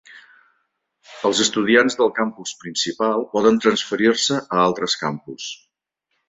Els estudiants del Campus Principal poden transferir-se a altres campus.